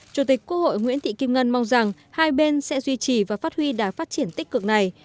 chủ tịch quốc hội nguyễn thị kim ngân mong rằng hai bên sẽ duy trì và phát huy đá phát triển tích cực này